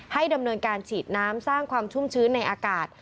ดำเนินการฉีดน้ำสร้างความชุ่มชื้นในอากาศ